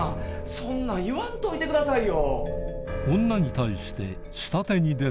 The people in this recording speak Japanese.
そんなん言わんといてくださいよ。